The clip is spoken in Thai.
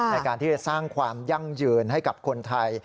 ในการที่จะสร้างความยั่งยืนให้กับคนไทย